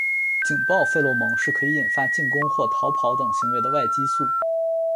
警报费洛蒙是可以引发进攻或逃跑等行为的外激素。